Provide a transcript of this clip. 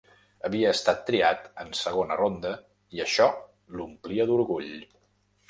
Havia estat triat en segona ronda i això l'omplia d'orgull.